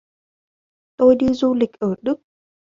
tôi đi du lịch ở đức